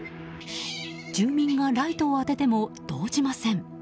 住民がライトを当てても動じません。